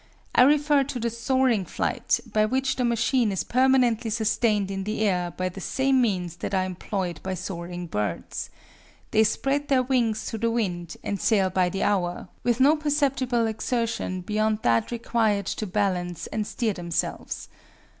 I refer to the soaring flight, by which the machine is permanently sustained in the air by the same means that are employed by soaring birds. They spread their wings to the wind, and sail by the hour, with no perceptible exertion beyond that required to balance and steer themselves.